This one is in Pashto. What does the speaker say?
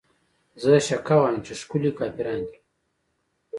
زه شکه وايمه چې ښکلې کافران دي